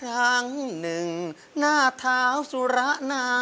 ครั้งหนึ่งหน้าเท้าสุระนา